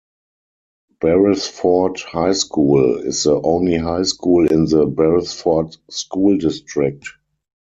Beresford High School is the only high school in the Beresford School District.